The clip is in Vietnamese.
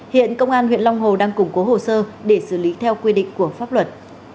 hiện công an huyện long hồ đang củng cố hồ sơ để xử lý theo quy định của pháp luật